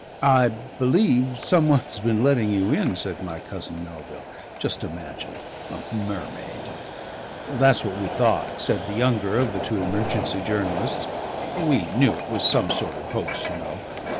"I believe some one's been letting you in," said my cousin Melville. "Just imagine! a mermaid!" "That's what we thought," said the younger of the two emergency journalists. "We knew it was some sort of hoax, you know.